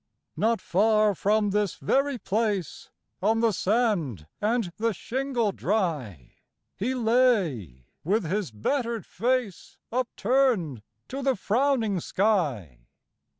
Not far from this very place, on the sand and the shingle dry, He lay, with his batterÆd face upturned to the frowning sky.